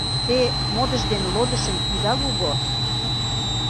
Те модыш ден лодышым ида луго.